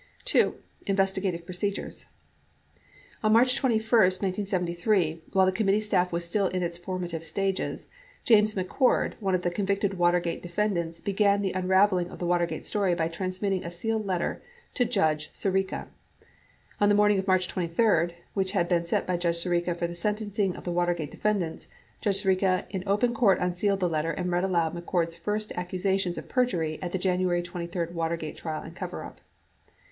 INVESTIGATIVE PROCEDURES On March 21, 1973, while the committee staff was still in its forma tive stages, James McCord, one of the convicted Watergate defend ants, began the unraveling of the Watergate story by transmitting a sealed letter to J udge Sirica. On the morning of March 23, which had been set by Judge Sirica for the sentencing of the Watergate defend ants, J udge Sirica in open court unsealed the letter and read aloud McCord's first accusations of perjury at the January 1973 Watergate trial and coverup.